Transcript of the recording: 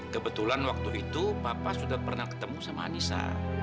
kebetulan waktu itu papa sudah pernah ketemu sama anissa